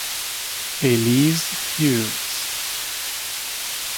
Elise Hughes